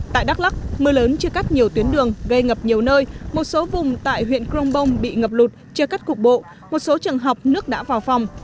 tại đắk lắc mưa lớn chưa cắt nhiều tuyến đường gây ngập nhiều nơi một số vùng tại huyện crong bông bị ngập lụt chưa cắt cục bộ một số trường học nước đã vào phòng